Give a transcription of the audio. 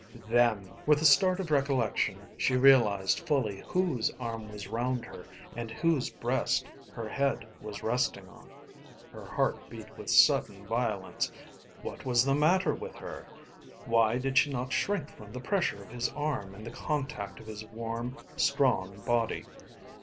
Them! With a start of recollection she realised fully whose arm was round her, and whose breast her head was resting on. Her heart beat with sudden violence. What was the matter with her? Why did she not shrink from the pressure of his arm and the contact of his warm, strong body?